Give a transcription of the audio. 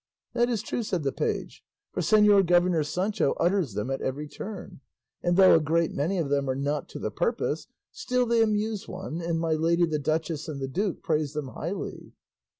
"That is true," said the page, "for Señor Governor Sancho utters them at every turn; and though a great many of them are not to the purpose, still they amuse one, and my lady the duchess and the duke praise them highly."